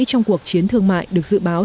trong cuộc chiến thương mại được dự báo